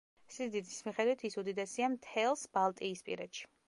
სიდიდის მიხედვით ის უდიდესია მთელს ბალტიისპირეთში.